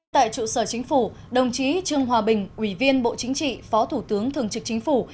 tại trụ sở chính phủ đồng chí trương hòa bình ủy viên bộ chính trị phó thủ tướng thường trực chính phủ